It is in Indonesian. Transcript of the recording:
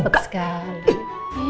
masa cepet sekali